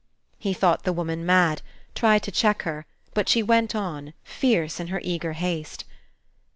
He thought the woman mad, tried to check her, but she went on, fierce in her eager haste.